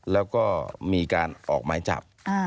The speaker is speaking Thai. แล้วก็มีการออกหมายจับ